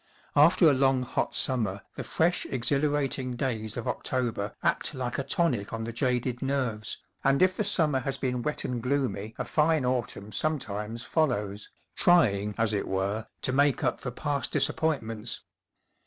After a long hot summer the fresh exhilarating days of October act like a tonic on the jaded nerves, and if the summer has been wet and gloomy a fine autumn sometimes follows, trying, as it were, to make up for past disappointments.